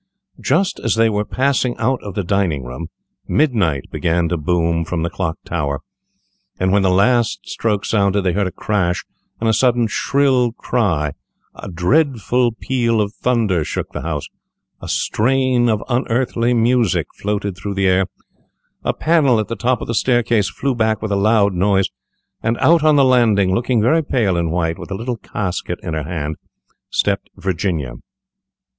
Just as they were passing out of the dining room, midnight began to boom from the clock tower, and when the last stroke sounded they heard a crash and a sudden shrill cry; a dreadful peal of thunder shook the house, a strain of unearthly music floated through the air, a panel at the top of the staircase flew back with a loud noise, and out on the landing, looking very pale and white, with a little casket in her hand, stepped Virginia.